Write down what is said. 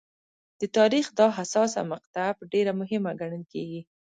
د تاریخ دا حساسه مقطعه ډېره مهمه ګڼل کېږي.